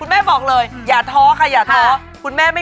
แมละดับแม่นะ